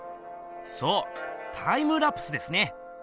そうタイムラプスですね！